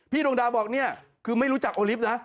ดวงดาวบอกเนี่ยคือไม่รู้จักโอลิฟต์นะ